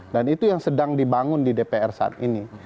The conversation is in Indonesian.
dan itu yang sedang dibangun di dpr saat ini